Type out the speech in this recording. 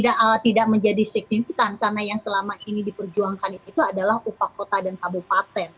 dan itu tidak menjadi signifikan karena yang selama ini diperjuangkan itu adalah upah kota dan kabupaten